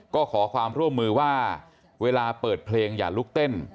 ก็ขอความร่วมมือว่าเวลาเปิดเพลงอย่าลุกเต้น